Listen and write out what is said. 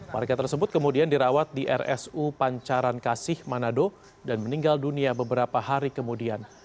warga tersebut kemudian dirawat di rsu pancaran kasih manado dan meninggal dunia beberapa hari kemudian